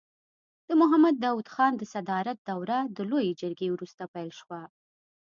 د محمد داود خان د صدارت دوره د لويې جرګې وروسته پیل شوه.